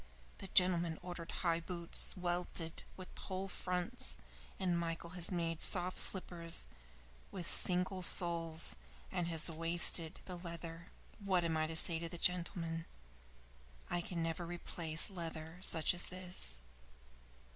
The gentleman ordered high boots, welted, with whole fronts, and Michael has made soft slippers with single soles, and has wasted the leather. What am I to say to the gentleman? I can never replace leather such as this."